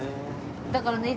だからね